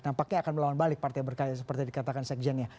nampaknya akan melawan balik partai berkarya seperti dikatakan sekjennya